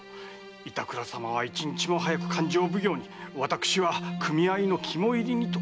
板倉様は一日も早く勘定奉行に私は組合の肝煎にと。